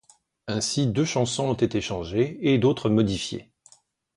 Ainsi deux chansons ont été changées et d'autres modifiées.